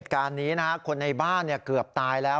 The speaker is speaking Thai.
เหตุการณ์นี้คนในบ้านเกือบตายแล้ว